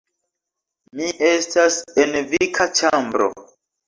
Mi estas en vika ĉambro